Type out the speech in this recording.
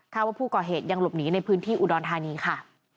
ว่าผู้ก่อเหตุยังหลบหนีในพื้นที่อุดรธานีค่ะ